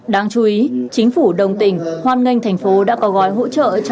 đáng chú ý chính phủ đồng tỉnh hoan nghênh thành phố đã có gói hỗ trợ cho hai trăm ba mươi hộ dân nghèo